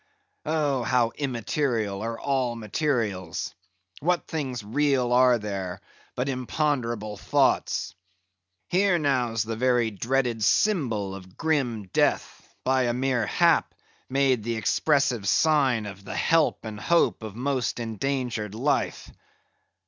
Oh! how immaterial are all materials! What things real are there, but imponderable thoughts? Here now's the very dreaded symbol of grim death, by a mere hap, made the expressive sign of the help and hope of most endangered life.